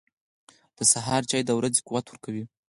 • د سهار چای د ورځې قوت ورکوي.